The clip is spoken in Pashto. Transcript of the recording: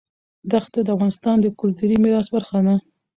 دښتې د افغانستان د کلتوري میراث برخه ده.